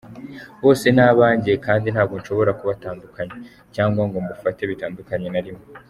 Bose ni abanjye kandi ntabwo nshobora kubatandukanya cyangwa ngo mbafate bitandukanye na rimwe.